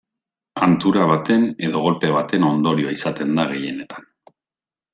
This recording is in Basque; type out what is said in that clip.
Hantura baten edo kolpe baten ondorioa izaten da gehienetan.